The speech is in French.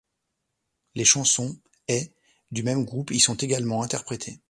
Les chansons ' et ', du même groupe, y sont également interprétées.